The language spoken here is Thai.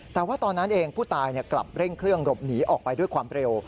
แต่ว่าตอนนั้นเองผู้ตายกลับเร่งเครื่องหลบหนีออกไปด้วยความเร็ว